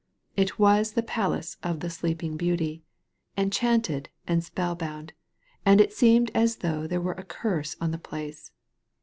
It was the palace of the Sleeping Beauty, enchanted and spell bound, and it seemed as though there were a curse on the place.